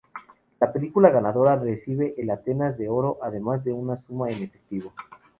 La película ganadora recibe el Atenas de Oro además de una suma en efectivo.